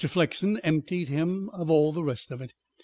Flexen emptied him of the rest of it.